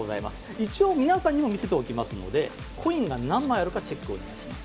一応皆さんにも見せておきますので、コインが何枚あるかチェックをお願いします。